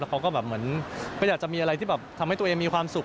เขาก็แบบเหมือนไม่อยากจะมีอะไรที่แบบทำให้ตัวเองมีความสุข